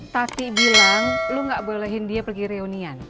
tati bilang lo nggak bolehin dia pergi reunian